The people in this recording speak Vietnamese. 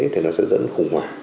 thì nó sẽ dẫn khủng hoảng